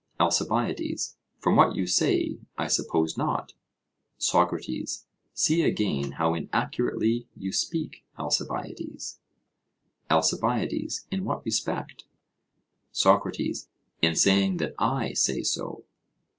ALCIBIADES: From what you say, I suppose not. SOCRATES: See, again, how inaccurately you speak, Alcibiades! ALCIBIADES: In what respect? SOCRATES: In saying that I say so.